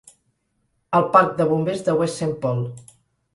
El parc de bombers de West Saint Paul.